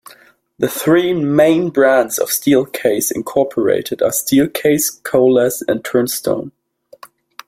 The three main brands of Steelcase Incorporated are Steelcase, Coalesse, and turnstone.